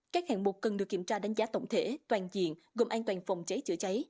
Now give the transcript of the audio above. các hạng mục cần được kiểm tra đánh giá tổng thể toàn diện gồm an toàn phòng cháy chữa cháy